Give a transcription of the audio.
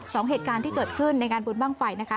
เหตุการณ์ที่เกิดขึ้นในงานบุญบ้างไฟนะคะ